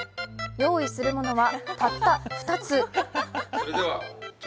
用意するものはたった２つ。